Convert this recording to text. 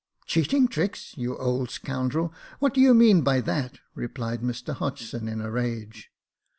*' Cheating tricks, you old scoundrel, what do you mean by that ?" replied Mr Hodgson, in a rage.